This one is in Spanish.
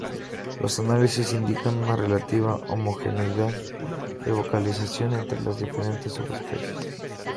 Los análisis indican una relativa homogeneidad de vocalización entre las diferentes subespecies.